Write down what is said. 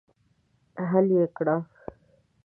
حل یې کړه.